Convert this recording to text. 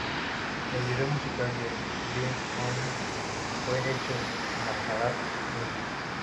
El vídeo musical de Lean On fue hecho en Maharashtra, India.